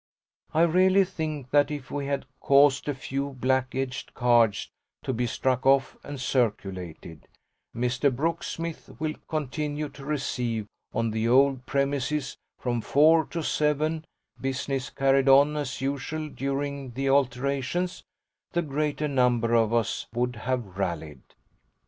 I really think that if we had caused a few black edged cards to be struck off and circulated "Mr. Brooksmith will continue to receive on the old premises from four to seven; business carried on as usual during the alterations" the greater number of us would have rallied.